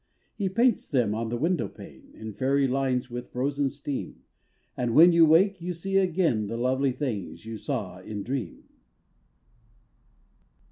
He paints them on the window pane In fairy lines with frozen steam; And when you wake, you see again The lovely things you saw in dream.